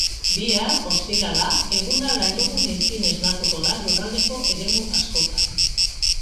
Bihar, ostirala, eguna lainoguneekin esnatuko da lurraldeko eremu askotan.